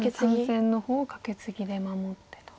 ３線の方をカケツギで守ってと。